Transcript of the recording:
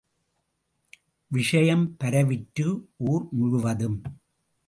விஷயம் பரவிற்று ஊர் முழுவதும்.